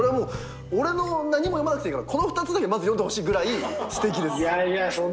俺の何も読まなくていいからこの２つだけまず読んでほしいぐらいすてきです。